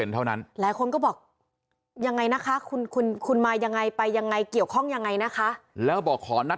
เท่านั้นหลายคนก็บอกยังไงนะคะคุณคุณมายังไงไปยังไงเกี่ยวข้องยังไงนะคะแล้วบอกขอนัด